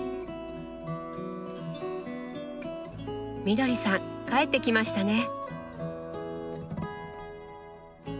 みどりさん帰ってきましたね。